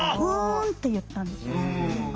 「うん」って言ったんですよ。